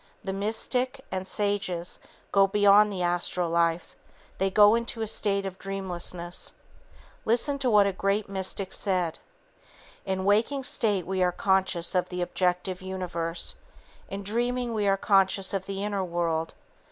The mystic, and sages, go beyond the astral life. They go into a state of dreamlessness. Listen to what a great mystic said: "In waking state we are conscious of the objective universe. In dreaming we are conscious of the inner world.